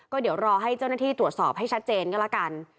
ก็เดี๋ยวรอให้เจ้าหน้าที่ตรวจสอบให้ชัดเจนก็แล้วกัน